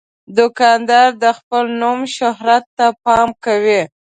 دوکاندار د خپل نوم شهرت ته پام کوي.